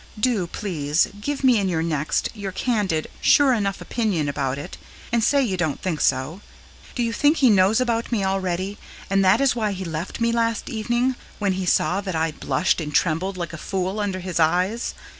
Do, please, give me in your next your candid, sure enough opinion about it, and say you don't think so. Do you think He knows about me already and that is why He left me last evening when He saw that I blushed and trembled like a fool under His eyes?